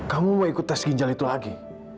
kamu mau ikut tes ginjal itu lagi